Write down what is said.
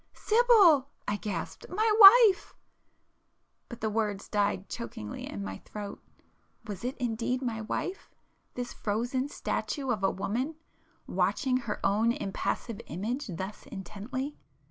"Sibyl!" I gasped—"My wife ...!..." but the words died chokingly in my throat. Was it indeed my wife?—this frozen statue of a woman, watching her own impassive image thus intently?